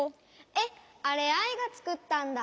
えっあれアイがつくったんだ！